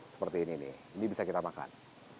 seperti ini nih ini bisa kita makan